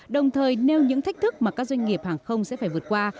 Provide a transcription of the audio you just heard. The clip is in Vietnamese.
đồng thời nêu những thách thức mà các doanh nghiệp hàng không sẽ phải vượt qua